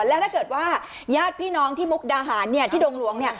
และถ้าเกิดว่ายาดพี่น้องที่มุกดาหารที่ดงรวง